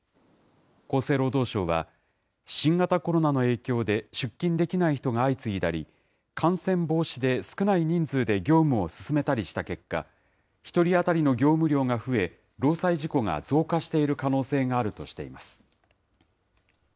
厚生労働省は、新型コロナの影響で出勤できない人が相次いだり、感染防止で少ない人数で業務を進めたりした結果、１人当たりの業務量が増え、労災事故が増加している可能性があるとしています。